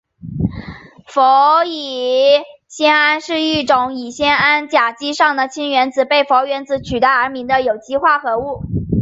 氟乙酰胺是一种乙酰胺甲基上的氢原子被氟原子取代而成的有机化合物。